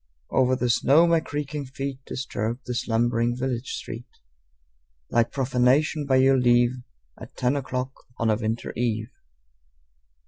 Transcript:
Over the snow my creaking feet Disturbed the slumbering village street Like profanation, by your leave, At ten o'clock of a winter eve.